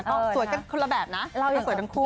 ก็สวยทั้งคนละแบบนะสวยทั้งคู่